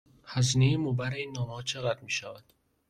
هزینه مبر این نامه ها چقدر می شود؟